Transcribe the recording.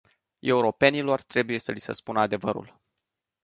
Europenilor trebuie să li se spună adevărul.